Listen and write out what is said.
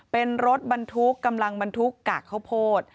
เป็นรถบรรทุกกำลังบรรทุกกากข้าวโพด